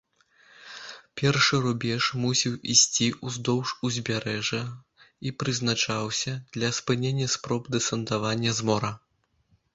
Першы рубеж мусіў ісці ўздоўж узбярэжжа і прызначаўся для спынення спроб дэсантавання з мора.